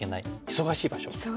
忙しい場所。